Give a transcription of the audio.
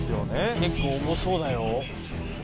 結構重そうだよ。